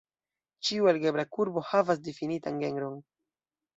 Ĉiu algebra kurbo havas difinitan genron.